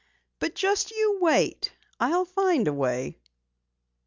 "But just you wait I'll find a way!"